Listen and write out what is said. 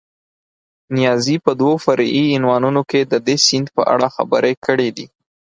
نیازي په دوو فرعي عنوانونو کې د دې سیند په اړه خبرې کړې دي.